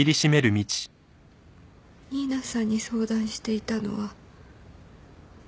新名さんに相談していたのは。